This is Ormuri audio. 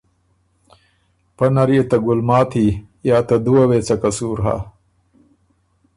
پۀ نر يې ته ګلماتی یا ته دُوه وې څۀ قصور هۀ